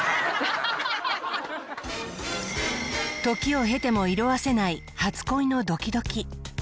時を経ても色あせない初恋のドキドキ。